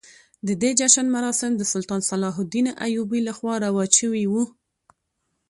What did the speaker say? د دې جشن مراسم د سلطان صلاح الدین ایوبي لخوا رواج شوي وو.